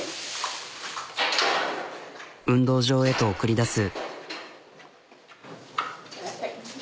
運動場へと送り出す。